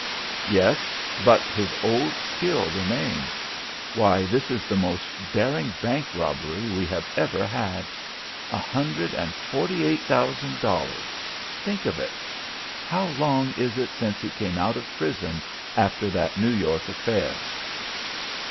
"Yes, but his old skill remains. Why, this is the most daring bank robbery we have ever had! A hundred and forty eight thousand dollars think of it! How long is it since he came out of prison after that New York affair?"